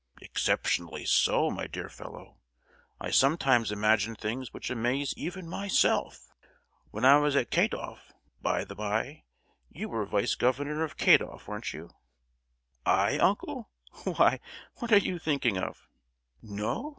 "Exceptionally so, my dear fellow. I sometimes imagine things which amaze even myself! When I was at Kadueff,—by the by, you were vice governor of Kadueff, weren't you?" "I, uncle! Why, what are you thinking of?" "No?